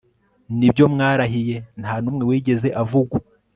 Nibyo mwarahiye ntanumwe wigeze avugwa